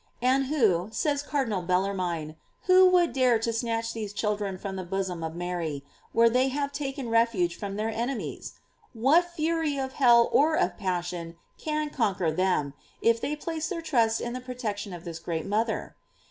"J And who, says Cardinal Bellarmine, who would dare to snatch these children from the bosom of Mary, where they have taken refuge from their ene mies? What fury of hell or of passion can. conquer them, if they place their trust in the protection of this great mother?